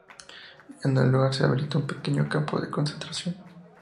En el lugar se habilitó un pequeño campo de concentración.